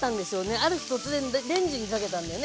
ある日突然レンジにかけたんだよね